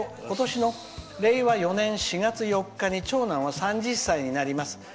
今年令和４年４月４日に、長男は３０歳になります。